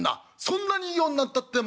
「そんなにいい女ったって